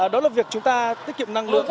đó là việc chúng ta tiết kiệm năng lượng